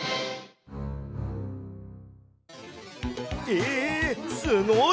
えすごい！